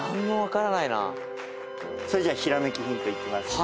それじゃひらめきヒントいきます。